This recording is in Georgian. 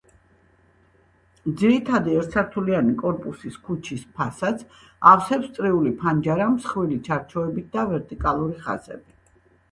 ძირითადი ერთსართულიანი კორპუსის ქუჩის ფასადს, ავსებს წრიული ფანჯარა მსხვილი ჩარჩოებით და ვერტიკალური ხაზები.